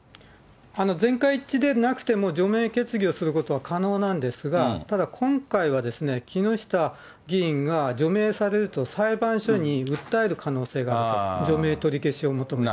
全会一致でなくても、除名決議をすることは可能なんですが、ただ、今回は、木下議員が除名されると、裁判所に訴える可能性があると、除名取り消しを求めて。